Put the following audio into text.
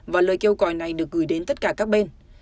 và lời kêu gọi này được gửi đến tất cả các bên